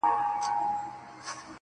څوک به نو څه رنګه اقبا وویني؟